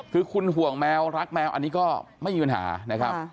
คือคุณห่วงแมวรักแมวอันนี้ก็ไม่มีปัญหานะครับ